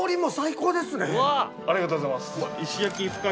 ありがとうございます。